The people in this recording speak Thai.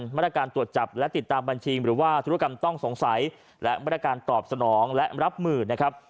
มาตรการตรวจจับและติดตามบัญชีหรือว่าธุรกรรมต้องสงสัยและมาตรการตอบสนองและรับมือนะครับ